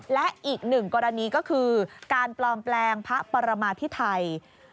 และอีกหนึ่งกรณีก็คือการปลอมแปลงพระปรมาพิไทย